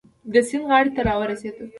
د سیند غاړې ته را ورسېدو.